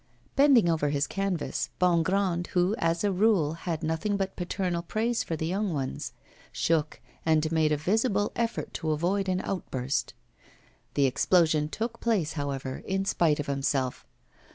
Bending over his canvas, Bongrand, who, as a rule, had nothing but paternal praise for the young ones, shook and made a visible effort to avoid an outburst. The explosion took place, however, in spite of himself.